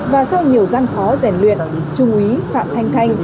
và sau nhiều gian khó rèn luyện trung úy phạm thanh thanh